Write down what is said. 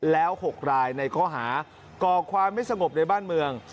แล้ว๖รายในข้อหาก่อความไม่สงบในบ้านเมือง